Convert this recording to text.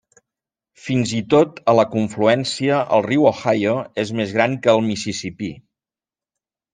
Fins i tot a la confluència el riu Ohio és més gran que el Mississipí.